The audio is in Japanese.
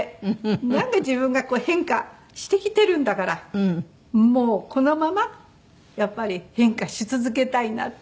なんか自分が変化してきてるんだからもうこのままやっぱり変化し続けたいなって。